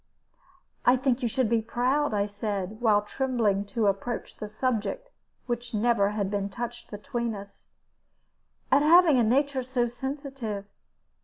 "I think you should be proud," I said, while trembling to approach the subject which never had been touched between us, "at having a nature so sensitive.